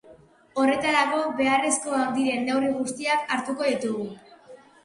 Horretarako beharrezkoak diren neurri guztiak hartuko ditugu.